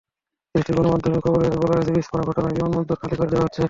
দেশটির গণমাধ্যমের খবরে বলা হচ্ছে, বিস্ফোরণের ঘটনায় বিমানবন্দর খালি করে দেওয়া হচ্ছে।